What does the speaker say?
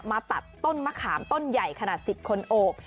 ตัดต้นมะขามต้นใหญ่ขนาด๑๐คนโอบ